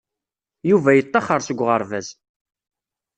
Yuba yeṭṭaxer seg uɣerbaz.